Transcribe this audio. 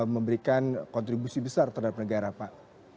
memberikan kontribusi besar terhadap negara pak